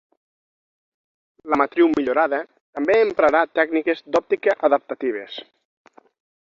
La matriu millorada també emprarà tècniques d'òptica adaptatives.